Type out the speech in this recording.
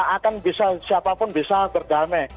akan bisa siapapun bisa berdamai